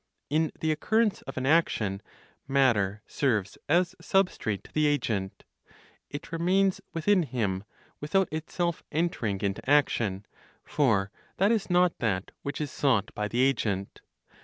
In the occurrence of an action, matter serves as substrate to the agent; it remains within him without itself entering into action; for that is not that which is sought by the agent.